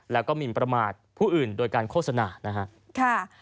และก็มีประมาทผู้อื่นโดยการโฆษณา